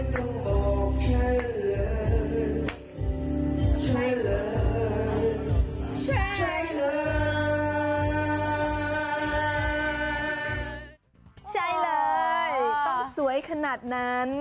ต้องสวยขนาดนั้น